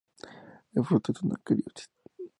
El fruto es una cariopsis.